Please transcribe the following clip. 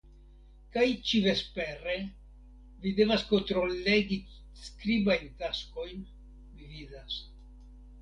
Kaj ĉi-vespere vi devas kontrollegi skribajn taskojn, mi vidas.